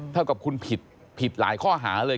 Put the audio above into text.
เท่ากับคุณผิดหลายข้อหาเลย